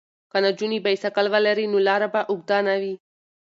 که نجونې بایسکل ولري نو لاره به اوږده نه وي.